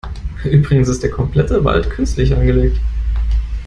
Übrigens ist der komplette Wald künstlich angelegt.